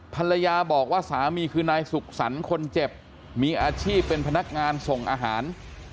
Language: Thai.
ภรรยาบอกว่าสามีคือนายสุขสรรค์คนเจ็บมีอาชีพเป็นพนักงานส่งอาหาร